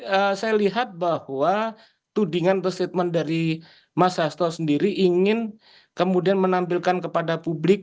saya lihat bahwa tudingan atau statement dari mas hasto sendiri ingin kemudian menampilkan kepada publik